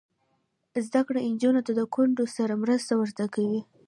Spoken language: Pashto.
زده کړه نجونو ته د کونډو سره مرسته ور زده کوي.